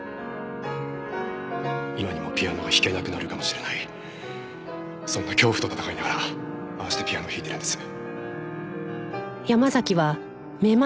今にもピアノを弾けなくなるかもしれないそんな恐怖と闘いながらああしてピアノを弾いてるんです。